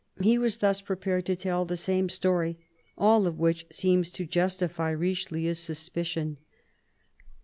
He was thus prepared to tell the same story — all of which seems to justify Richelieu's suspicion.